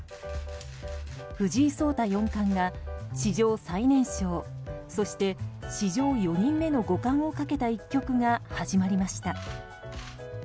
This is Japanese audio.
藤井聡太四冠が史上最年少そして史上４人目の五冠をかけた一局が始まりました。